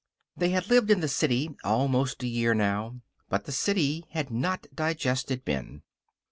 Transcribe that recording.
They had lived in the city almost a year now. But the city had not digested Ben.